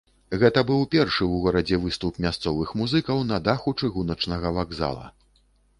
Гэта быў першы ў горадзе выступ мясцовых музыкаў на даху чыгуначнага вакзала.